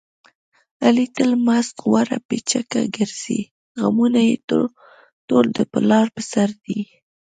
علي تل مست غوړه پیچکه ګرځي. غمونه یې ټول د پلار په سر دي.